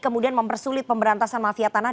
kemudian mempersulit pemberantasan mafia tanah